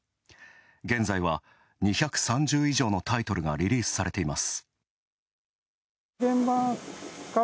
現在は２３０以上のタイトルがリリースされています。